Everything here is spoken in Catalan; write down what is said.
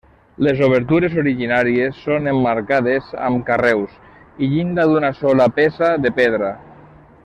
Les obertures originàries són emmarcades amb carreus, i llinda d'una sola peça de pedra.